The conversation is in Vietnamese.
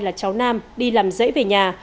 là cháu nam đi làm dễ về nhà